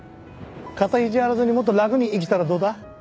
肩ひじ張らずにもっと楽に生きたらどうだ？